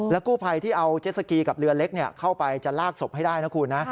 กู้ภัยที่เอาเจ็ดสกีกับเรือเล็กเข้าไปจะลากศพให้ได้นะคุณนะ